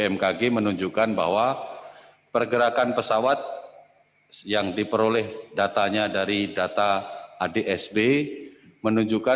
masalah penelitian tersebut dihitung